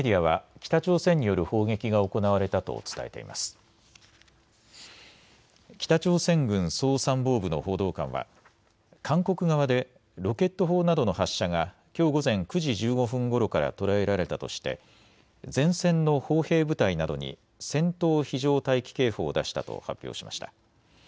北朝鮮軍総参謀部の報道官は韓国側でロケット砲などの発射がきょう午前９時１５分ごろから捉えられたとして前線の砲兵部隊などに戦闘非常待機警報を出したと発表しました。